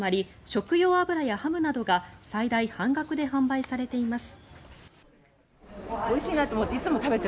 食用油やハムなどが最大半額で販売されています。